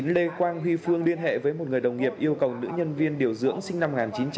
lê quang huy phương liên hệ với một người đồng nghiệp yêu cầu nữ nhân viên điều dưỡng sinh năm một nghìn chín trăm tám mươi